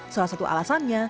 salah satu alasannya